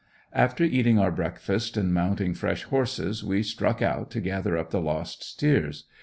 After eating our breakfast and mounting fresh horses we struck out to gather up the lost steers.